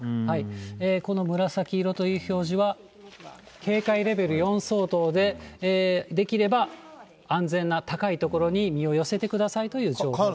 この紫色という表示は警戒レベル４相当で、できれば安全な高い所に身を寄せてくださいという情報ですね。